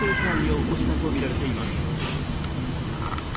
起こしたとみられています。